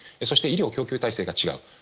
そして、医療供給体制が違う。